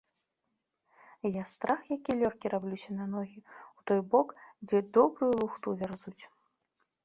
Я страх які лёгкі раблюся на ногі ў той бок, дзе добрую лухту вярзуць.